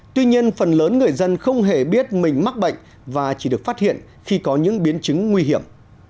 tuy nhiên phần lớn người dân không hề biết mình mắc bệnh và chỉ được phát hiện khi có những biến chứng nguy hiểm